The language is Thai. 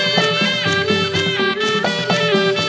โปรดติดตามต่อไป